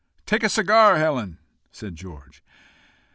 "Take a cigar, Helen?" said George.